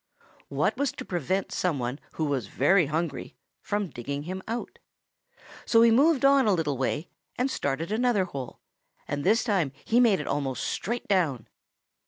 What was to prevent some one who was very hungry from digging him out? So he moved on a little way and started another hole, and this time he made it almost straight down.